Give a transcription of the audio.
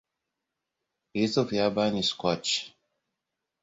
Yusuf ya bani scotch.